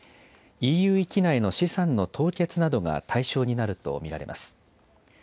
ＥＵ域内の資産の凍結などが対象になると見られます。